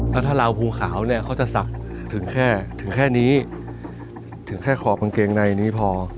แล้วถ้าลาวภูมิขาวเขาจะสักถึงแค่นี้ถึงแค่ขอบบางเกงในนี้พอ